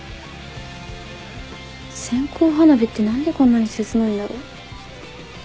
線香花火って何でこんなに切ないんだろ。